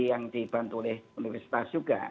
yang dibantu oleh universitas juga